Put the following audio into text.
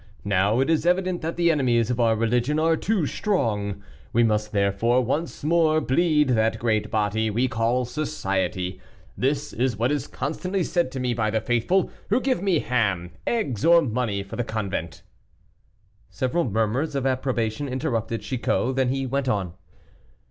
Now it is evident that the enemies of our religion are too strong; we must therefore once more bleed that great body we call society. This is what is constantly said to me by the faithful, who give me ham, eggs, or money for the convent." Several murmurs of approbation interrupted Chicot, then he went on.